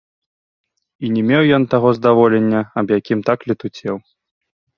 І не меў ён таго здаволення, аб якім так летуцеў.